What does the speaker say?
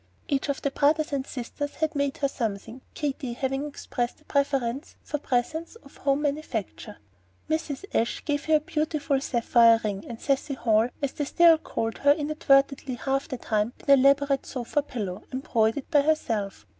Each of the brothers and sisters had made her something, Katy having expressed a preference for presents of home manufacture. Mrs. Ashe gave her a beautiful sapphire ring, and Cecy Hall as they still called her inadvertently half the time an elaborate sofa pillow embroidered by herself.